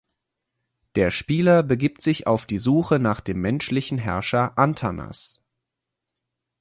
Der Spieler begibt sich auf die Suche nach dem menschlichen Herrscher Antanas.